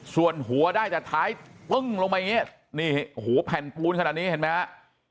ส่วนหัวได้แต่ท้ายปึ้งลงไปอย่างนี้นี่โอ้โหแผ่นปูนขนาดนี้เห็นไหมฮะ